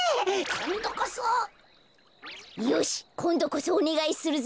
こんどこそおねがいするぞ。